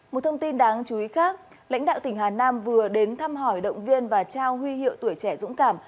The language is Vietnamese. một thông tin đáng chú ý khác lãnh đạo tỉnh hà nam vừa đến thăm hỏi động viên và trao huy hiệu tuổi trẻ dũng cảm